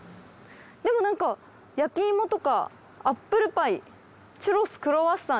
でもなんか焼き芋とかアップルパイチュロスクロワッサン